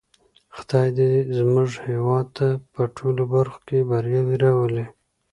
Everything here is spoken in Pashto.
خدای دې زموږ هېواد ته په ټولو برخو کې بریاوې راولی.